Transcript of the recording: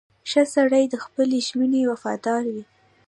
• ښه سړی د خپلې ژمنې وفادار وي.